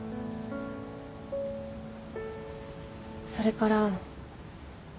それから。